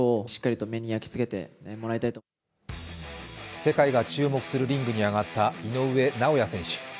世界が注目するリングに上がった井上尚弥選手。